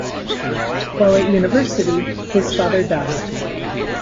While at University, his father died.